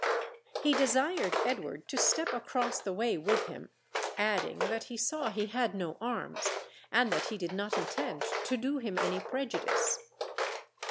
He desired Edward to step across the way with him, adding that he saw he had no arms, and that he did not intend to do him any prejudice.